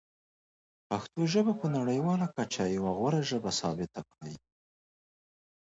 پښتو ژبه په نړیواله کچه یوه غوره ژبه ثابته کړئ.